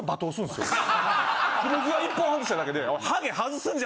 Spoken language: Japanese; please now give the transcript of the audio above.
僕が１本外しただけで。